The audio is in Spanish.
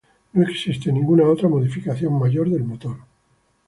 No existe ninguna otra modificación mayor del motor.